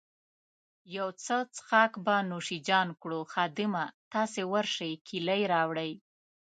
یو څه څیښاک به نوش جان کړو، خادمه، تاسي ورشئ کیلۍ راوړئ.